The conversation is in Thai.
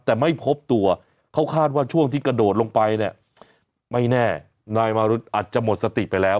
แต่ไม่พบตัวเขาคาดว่าช่วงที่กระโดดลงไปเนี่ยไม่แน่นายมารุธอาจจะหมดสติไปแล้ว